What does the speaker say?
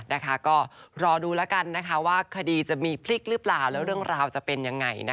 นะคะก็รอดูแล้วกันนะคะว่าคดีจะมีพลิกหรือเปล่าแล้วเรื่องราวจะเป็นยังไง